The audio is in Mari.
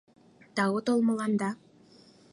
Да тау толмыланда.